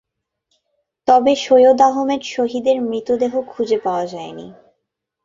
তবে সৈয়দ আহমদ শহীদের মৃতদেহ খুজে পাওয়া যায়নি।